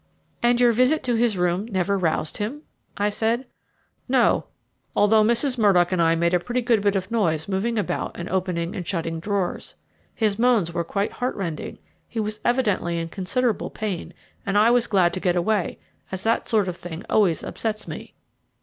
"And your visit to his room never roused him?" I said. "No, although Mrs. Murdock and I made a pretty good bit of noise moving about and opening and shutting drawers. His moans were quite heartrending he was evidently in considerable pain; and I was glad to get away, as that sort of thing always upsets me."